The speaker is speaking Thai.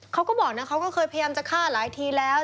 เขาก็บอกนะเขาก็เคยพยายามจะฆ่าหลายทีแล้ว